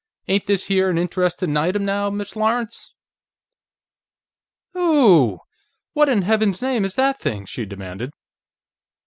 "Ain't this here an interestin' item, now, Miss Lawrence?" "Ooooooh! What in heaven's name is that thing?" she demanded.